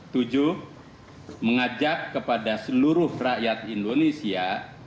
tujuh mengajak kepada seluruh rakyat indonesia